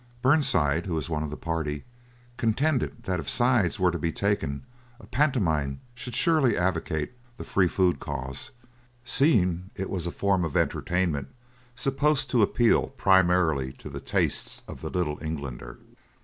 "Burnside, who was one of the party, contended that if sides were to be taken, a pantomime should surely advocate the Free Food Cause, seeing it was a form of entertainment supposed to appeal primarily to the tastes of the Little Englander.